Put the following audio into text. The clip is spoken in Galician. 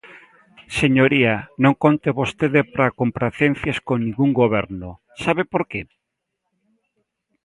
Señoría, non conte vostede para compracencias con ningún goberno, ¿sabe por que?